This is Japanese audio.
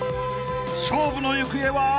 ［勝負の行方は？］